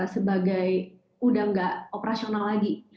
sebagai udah nggak operasional lagi